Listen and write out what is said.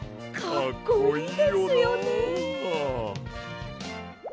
かっこいいですよね！